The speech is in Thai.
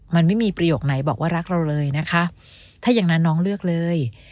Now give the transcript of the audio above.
มันไม่มีประโยคไหนบอกว่ารักเราเลยนะคะถ้าอย่างนั้นน้องเลือกเลย